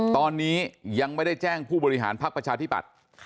ตอนนี้ยังไม่ได้แจ้งผู้บริหารพักประชาธิบัติ